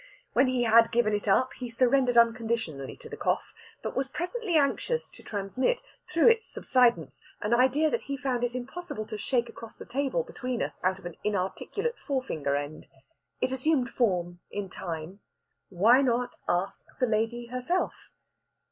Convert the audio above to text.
When he had given it up, he surrendered unconditionally to the cough, but was presently anxious to transmit, through its subsidence, an idea that he found it impossible to shake across the table between us out of an inarticulate forefinger end. It assumed form in time. Why not ask the lady herself?